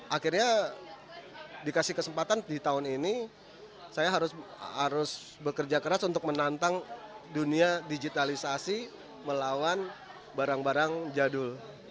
akhirnya dikasih kesempatan di tahun ini saya harus bekerja keras untuk menantang dunia digitalisasi melawan barang barang jadul